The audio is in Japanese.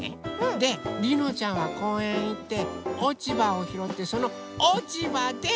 でりのちゃんはこうえんへいっておちばをひろってそのおちばで